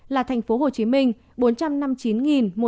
là thành phố hồ chí minh